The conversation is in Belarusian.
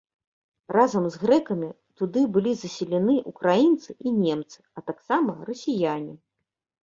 Разам з грэкамі туды былі заселены ўкраінцы і немцы, а таксама расіяне.